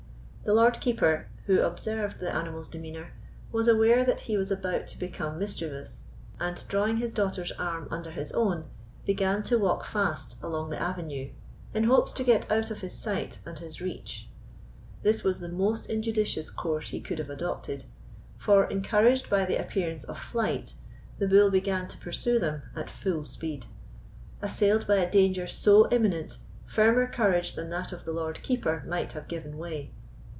The Lord Keeper, who observed the animal's demeanour, was aware that he was about to become mischievous, and, drawing his daughter's arm under his own, began to walk fast along the avenue, in hopes to get out of his sight and his reach. This was the most injudicious course he could have adopted, for, encouraged by the appearance of flight, the bull began to pursue them at full speed. Assailed by a danger so imminent, firmer courage than that of the Lord Keeper might have given way.